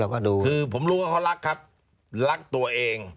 ก็ดูคือผมรู้ว่าเขารักครับรักตัวเอง